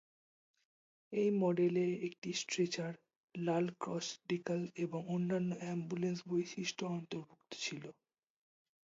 এই মডেলে একটি স্ট্রেচার, লাল ক্রস ডেকাল এবং অন্যান্য অ্যাম্বুলেন্স বৈশিষ্ট্য অন্তর্ভুক্ত ছিল।